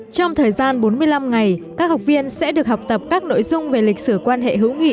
trong thời gian bốn mươi năm ngày các học viên sẽ được học tập các nội dung về lịch sử quan hệ hữu nghị